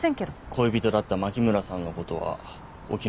恋人だった牧村さんのことはお気の毒でした。